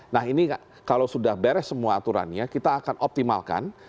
nah ini kalau sudah beres semua aturannya kita akan optimalkan